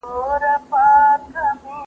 د غره په سر باندې واوره پرته ده.